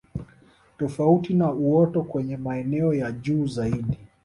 Tofauti na uoto kwenye maeneo ya juu zaidi